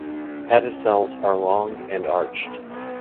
Pedicels are long and arched.